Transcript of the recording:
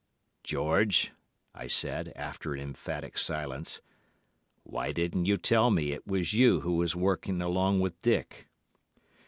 "'George,' I said, after an emphatic silence, 'why didn't you tell me it was you who was working along with Dick?